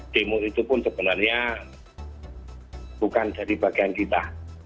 demo itu pun sebenarnya bukan dari bagian kita